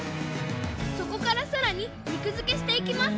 そこからさらににくづけしていきます